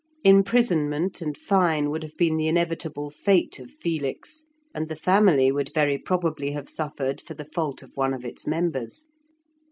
Imprisonment and fine would have been the inevitable fate of Felix, and the family would very probably have suffered for the fault of one of its members.